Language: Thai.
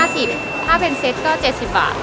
ถ้าเป็นเซ็ตก็๗๐บาท